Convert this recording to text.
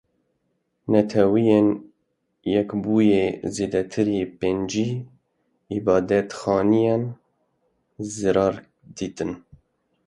Neteweyên Yekbûyî Zêdetirê pêncî îbadetxaneyan zirar dîtin.